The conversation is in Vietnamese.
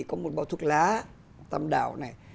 có một bọt thuốc lá tăm đảo này